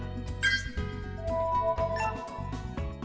đăng ký kênh để ủng hộ kênh của mình nhé